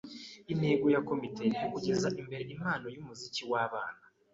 Intego ya komite ni uguteza imbere impano yumuziki wabana.